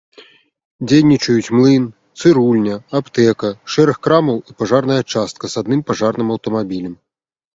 Дзейнічаюць млын, цырульня, аптэка, шэраг крамаў і пажарная частка з адным пажарным аўтамабілем.